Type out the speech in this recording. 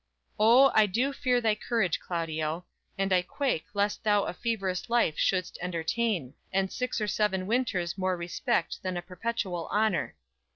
"__"O, I do fear thy courage, Claudio; and I quake Lest thou a feverous life should'st entertain, And six or seven winters more respect Than a perpetual honor.